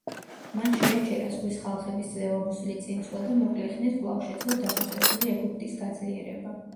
მან შეაჩერა „ზღვის ხალხების“ ძლევამოსილი წინსვლა და მოკლე ხნით კვლავ შეძლო დასუსტებული ეგვიპტის გაძლიერება.